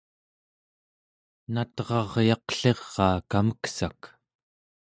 nat'raryaqliraa kameksak